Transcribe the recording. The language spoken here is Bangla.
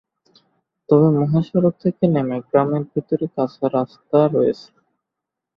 তবে মহাসড়ক থেকে নেমে গ্রামের ভিতরে কাঁচা রাস্তা রয়েছে।